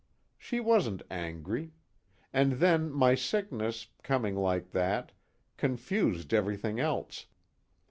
She wasn't angry. And then my sickness, coming like that, confused everything else.